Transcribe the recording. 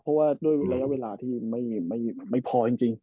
เพราะว่าด้วยระยะเวลาที่ไม่พอจริง